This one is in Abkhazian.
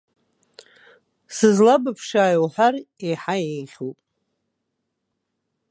Сызлабԥшааи уҳәар еиҳа еиӷьуп.